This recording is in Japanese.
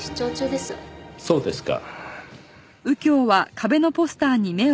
そうですか。